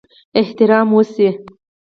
احترام وشي.